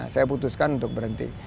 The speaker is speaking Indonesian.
saya putuskan untuk berhenti